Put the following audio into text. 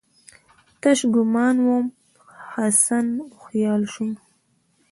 تش ګومان وم، حسن وخیال شوم